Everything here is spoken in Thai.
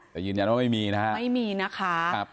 แต่ยืนยันว่าไม่มีนะคะ